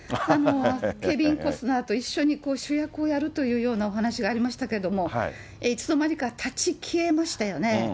ケビン・コスナーと一緒に主役をやるというようなお話がありましたけれども、いつの間にか立ち消えましたよね。